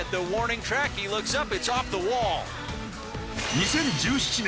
２０１７年